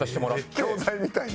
教材みたいに？